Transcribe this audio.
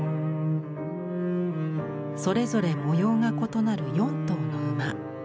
それぞれ模様が異なる４頭の馬。